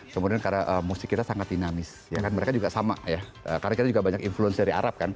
kemudian karena musik kita sangat dinamis ya kan mereka juga sama ya karena kita juga banyak influence dari arab kan